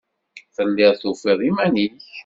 Telliḍ tufiḍ iman-nnek.